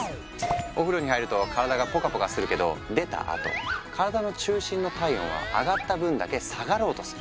お風呂に入ると体がぽかぽかするけど出たあと体の中心の体温は上がった分だけ下がろうとする。